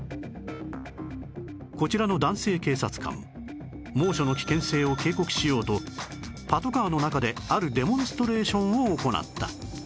こちらの男性警察官猛暑の危険性を警告しようとパトカーの中であるデモンストレーションを行った